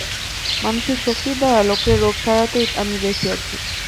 মানসিক শক্তির দ্বারা লোকের রোগ সারাইতে আমি দেখিয়াছি।